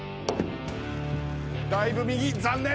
だいぶ右残念！